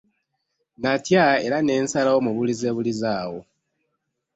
Natya era ne nsalawo mubulizebulize awo.